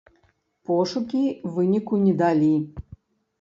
Пошукі выніку не далі.